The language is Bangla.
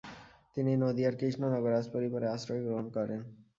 তিনি নদিয়ার কৃষ্ণনগর রাজপরিবারের আশ্রয় গ্রহণ করেন।